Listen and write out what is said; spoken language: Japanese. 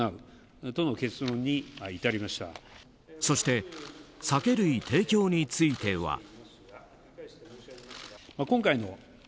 そして、酒類提供については。